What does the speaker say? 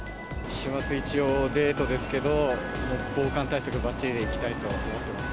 週末、一応、デートですけど、もう防寒対策ばっちりでいきたいと思っています。